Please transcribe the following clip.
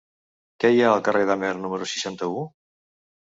Què hi ha al carrer d'Amer número seixanta-u?